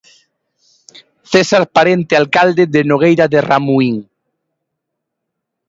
César Parente Alcalde de Nogueira de Ramuín.